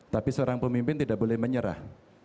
tapi seorang pemimpin tidak boleh menyerah